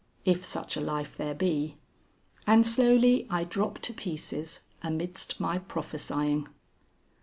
If such a life there be. And slowly I drop to pieces amidst my prophesying."